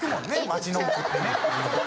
街の奥ってね。